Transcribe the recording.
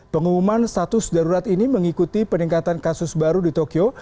pengumuman status darurat ini mengikuti peningkatan kasus baru di tokyo